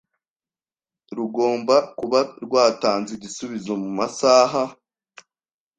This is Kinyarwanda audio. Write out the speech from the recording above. rugomba kuba rwatanze igisubizo mu masaha